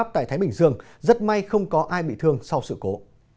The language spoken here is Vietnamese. pháp tại thái bình dương rất may không có ai bị thương sau sự cố